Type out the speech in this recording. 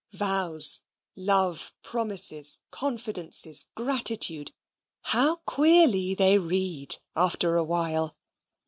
Vows, love, promises, confidences, gratitude, how queerly they read after a while!